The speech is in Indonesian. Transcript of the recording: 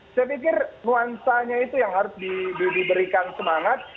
saya pikir nuansanya itu yang harus diberikan semangat